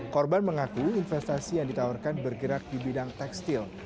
korban mengaku investasi yang ditawarkan bergerak di bidang tekstil